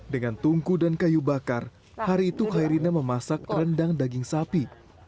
dengan tungku dan kayu bakar hari itu khairina memasak rendang daging sapi